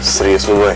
serius lu boy